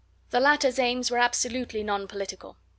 The latter's aims were absolutely non political.